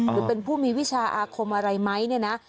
หรือเป็นผู้มีวิชาอาคมอะไรไหมเนี่ยนะ